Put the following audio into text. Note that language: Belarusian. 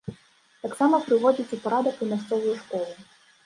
Таксама прыводзяць у парадак і мясцовую школу.